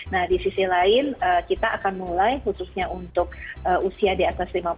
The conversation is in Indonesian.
nah di sisi lain kita akan mulai khususnya untuk usia di atas lima puluh